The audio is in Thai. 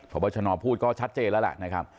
พระบัชนอภพูดก็ชัดเจนแล้วแหละ